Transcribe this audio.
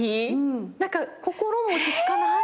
何か心も落ち着かない？